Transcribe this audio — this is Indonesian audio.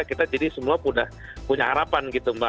kita jadi semua sudah punya harapan gitu mbak